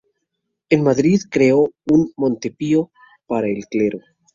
En Madrid creó un Montepío para el clero.